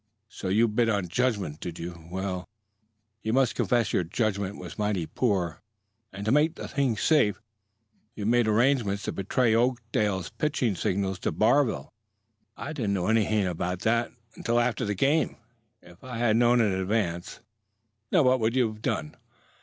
"So you bet on judgment, did you? Well, you must confess your judgment was mighty poor. And, to make the thing safe, you made arrangements to betray Oakdale's pitching signals to Barville. I didn't know anything about that until after the game. If I had known in advance " "Now what would you have done?"